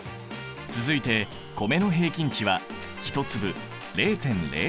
続いて米の平均値は１粒０．０３ｇ。